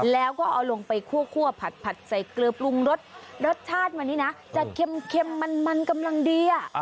แล้วก็เอาลงไปคั่วผัดใส่เกลือปรุงรสรสชาติวันนี้นะจะเค็มมันกำลังดีอ่ะ